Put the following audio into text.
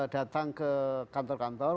datang ke kantor kantor